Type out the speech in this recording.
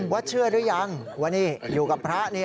เชื่อหรือยังว่านี่อยู่กับพระ